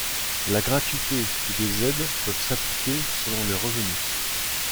La gratuite ou des aides peuvent s'appliquer selon les revenus.